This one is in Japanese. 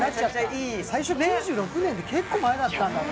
最初、１９９６年って、結構前だったんだね。